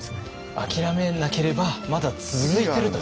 諦めなければまだ続いてると。